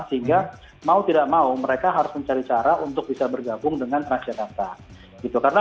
sehingga mau tidak mau mereka harus mencari cara untuk bisa bergabung dengan transjakarta